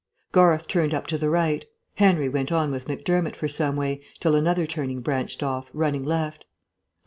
Garth turned up to the right. Henry went on with Macdermott for some way, till another turning branched off, running left.